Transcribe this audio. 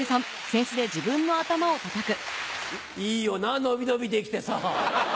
いいよな伸び伸びできてさ。